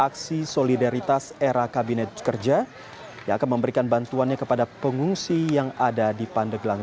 aksi solidaritas era kabinet kerja yang akan memberikan bantuannya kepada pengungsi yang ada di pandeglang